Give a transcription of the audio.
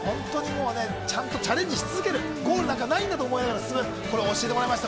ちゃんとチャレンジし続けるゴールなんかないんだということを教えてもらいました。